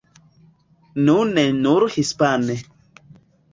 Nu ne nur hispane.